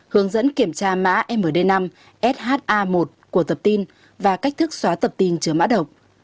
hướng dẫn kiểm tra mã md năm sha một của tập tin và cách thức xóa tập tin chứa mã độc